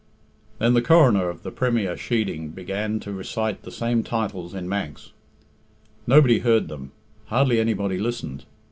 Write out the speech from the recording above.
Then the Coroner of the premier sheading began to recite the same titles in Manx. Nobody heard them; hardly anybody listened.